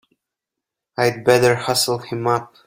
I'd better hustle him up!